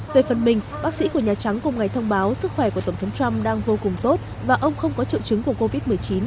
về phần mình bác sĩ của nhà trắng cùng ngày thông báo sức khỏe của tổng thống trump đang vô cùng tốt và ông không có triệu chứng của covid một mươi chín